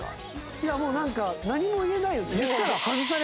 いやもうなんか何も言えない。